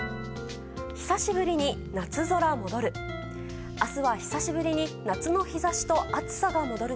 久しぶりに夏空戻る。